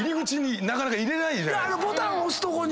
ボタン押すとこに。